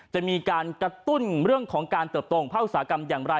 จะมีการกระตุ้นเรื่องของการเติบโตของภาคอุตสาหกรรมอย่างไร